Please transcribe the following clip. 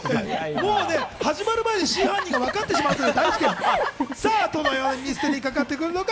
もう始まる前に真犯人が分かってしまうという。